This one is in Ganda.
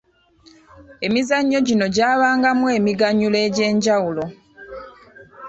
Emizannyo gino gyabangamu emiganyulo egy’enjawulo.